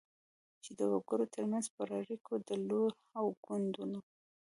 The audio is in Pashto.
چی د وګړو ترمنځ پر اړیکو، ډلو او ګوندونو